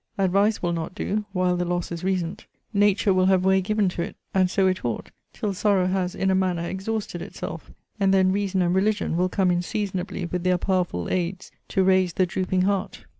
Advice will not do, while the loss is recent. Nature will have way given to it, (and so it ought,) till sorrow has in a manner exhausted itself; and then reason and religion will come in seasonably with their powerful aids, to raise the drooping heart.